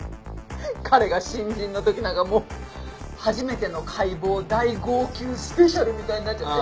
彼が新人の時なんかもう「初めての解剖大号泣スペシャル」みたいになっちゃって。